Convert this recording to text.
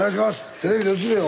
テレビで映るよ！